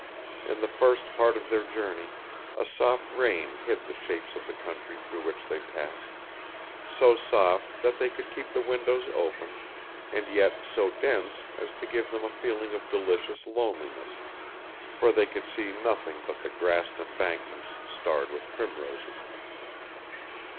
In the first part of their journey a soft rain hid the shapes of the country through which they passed, so soft that they could keep the windows open, and yet so dense as to give them a feeling of delicious loneliness, for they could see nothing but the grassed embankments starred with primroses.